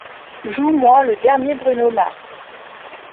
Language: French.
Joue-moi le dernier Bruno Mars